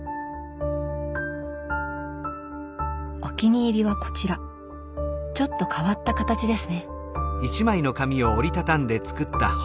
お気に入りはこちらちょっと変わった形ですね。